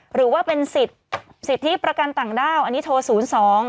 หรือว่าเป็นสิทธิประกันต่างด้าวอันนี้โทร๐๒๕๙๐๑๕๗๘